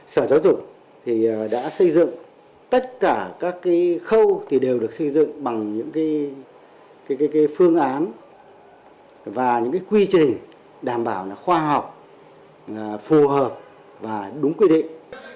sở giáo dục đã xây dựng tất cả các khâu đều được xây dựng bằng những phương án và những quy trình đảm bảo khoa học phù hợp và đúng quy định